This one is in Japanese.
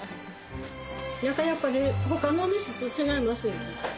やっぱりねほかの店と違いますよね。